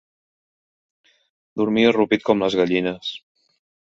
Dormir arrupit com les gallines.